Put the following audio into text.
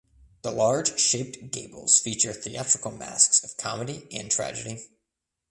The large shaped gables feature theatrical masks of comedy and tragedy.